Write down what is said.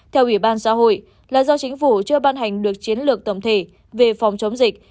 theo ủy ban xã hội là do chính phủ chưa ban hành được chiến lược tổng thể về phòng chống dịch